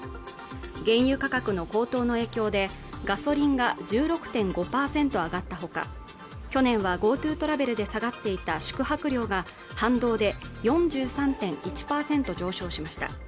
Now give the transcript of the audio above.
原油価格の高騰の影響でガソリンが１６．５％上がったほか去年はＧｏＴｏトラベルで下がっていた宿泊料が反動で４３．１％上昇しました